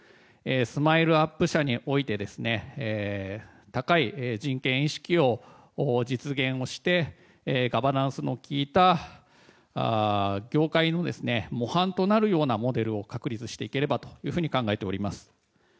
ＳＭＩＬＥ‐ＵＰ．社において高い人権意識を実現をしてガバナンスの利いた業界の模範となるようなモデルを確立していければと考えております。